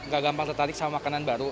gak gampang tertarik sama makanan baru